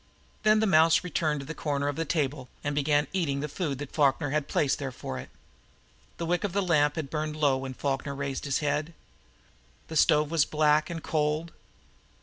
Then the mouse returned to the corner of the table, and began eating the food that Falkner had placed there for it. The wick of the lamp had burned low when Falkner raised his head. The stove was black and cold.